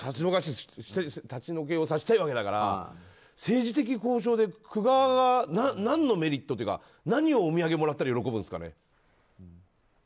区長は立ち退きをさせたいわけだから、政治的交渉で区側が何のメリットというか何をお土産をもらったら喜ぶんですかね。